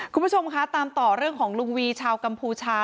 คุณผู้ชมคะตามต่อเรื่องของลุงวีชาวกัมพูชา